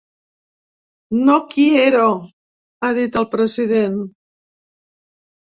“No quiero”, ha dit el president.